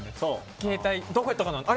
携帯、どこやったかな？